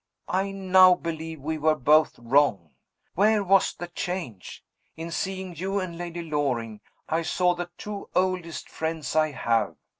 I now believe we were both wrong. Where was the change? In seeing you and Lady Loring, I saw the two oldest friends I have.